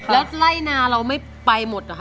แล้วไล่นาเราไม่ไปหมดเหรอคะ